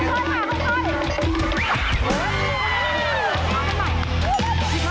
เร็วเร็ว